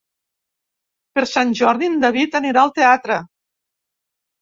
Per Sant Jordi en David anirà al teatre.